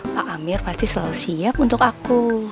pak amir pasti selalu siap untuk aku